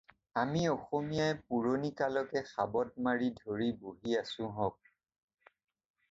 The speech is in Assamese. আমি অসমীয়াই পুৰণি কালকে সাবট মাৰি ধৰি বহি আছোহক।